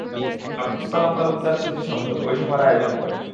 আবদুুস সালাম তালুকদার স্মৃতি সংসদ ওই সভার আয়োজন করে।